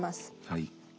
はい。